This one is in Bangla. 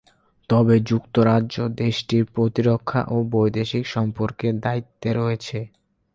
তবে যুক্তরাজ্য দেশটির প্রতিরক্ষা ও বৈদেশিক সম্পর্কের দায়িত্বে রয়েছে।